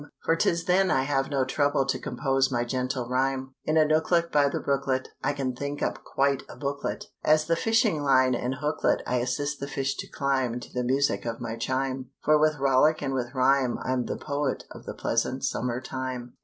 For 'tis then I have no trouble To compose my gentle rhyme; In a nooklet by the brooklet I can think up quite a booklet, As with fishing line and hooklet I assist the fish to climb To the music of my chime, For with rollick and with rhyme I'm the poet of the pleasant summer time.